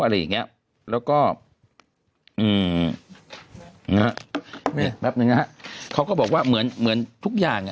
อะไรอย่างนี้แล้วก็แป๊บหนึ่งนะฮะเขาก็บอกว่าเหมือนทุกอย่าง